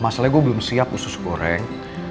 masalahnya gue belum siap usus goreng